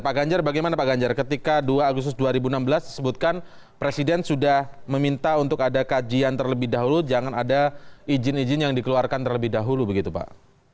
pak ganjar bagaimana pak ganjar ketika dua agustus dua ribu enam belas disebutkan presiden sudah meminta untuk ada kajian terlebih dahulu jangan ada izin izin yang dikeluarkan terlebih dahulu begitu pak